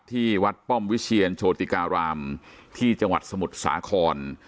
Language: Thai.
ที่วัดป้อมวิเชียนโชติการามที่จังหวัดสมุทรสาคร